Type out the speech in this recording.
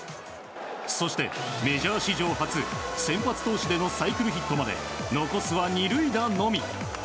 そして、メジャー史上初先発投手でのサイクルヒットまで残すは２塁打のみ。